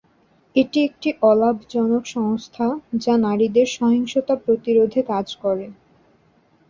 এটি একটি অলাভজনক সংস্থা যা নারীদের সহিংসতা প্রতিরোধে কাজ করে।